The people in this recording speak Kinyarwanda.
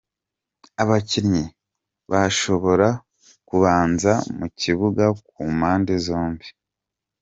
Abakinnyi bashobora kubanza mu kibuga ku mpande zombi:.